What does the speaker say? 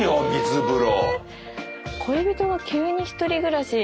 恋人が急に１人暮らし